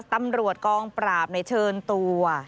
ตำรวจกองปราบเชิญตัว